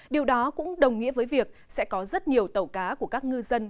điều đó cũng đồng nghĩa với việc sẽ có rất nhiều tàu cá của các ngư dân